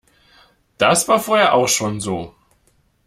Das war vorher auch schon so.